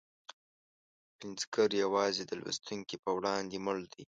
پنځګر یوازې د لوستونکي په وړاندې مړ دی.